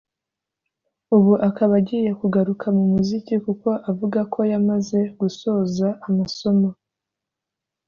ubu akaba agiye kugaruka mu muziki kuko avuga ko yamaze gusoza amasomo